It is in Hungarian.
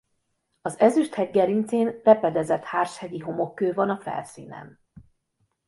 Az Ezüst-hegy gerincén repedezett hárshegyi homokkő van a felszínen.